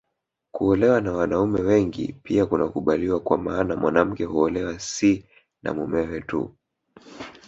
Kuolewa na wanaume wengi pia kunakubaliwa kwa maana mwanamke huolewa si na mumewe tu